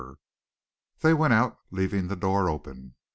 They went out, leaving the door open.